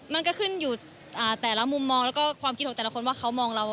มันก็ขึ้นอยู่แต่ละมุมมองแล้วก็ความคิดของแต่ละคนว่าเขามองเรา